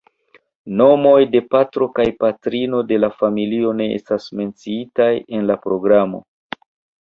Nomoj de patro kaj patrino de la familio ne estas menciitaj en la programo.